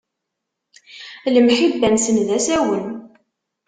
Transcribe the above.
Lemḥibba-nsen, d asawen.